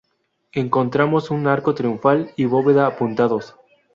Encontramos un arco triunfal y bóveda apuntados.